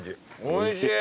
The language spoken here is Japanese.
おいしい！